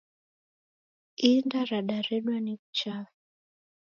Inda radaredwa ni w'uchafu.